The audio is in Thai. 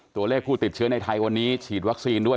ตัวเลขผู้ติดเชื้อในไทยวันนี้ฉีดวัคซีนด้วย